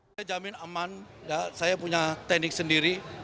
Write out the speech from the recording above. saya jamin aman saya punya teknik sendiri